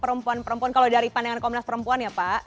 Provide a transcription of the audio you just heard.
perempuan perempuan kalau dari pandangan komnas perempuan ya pak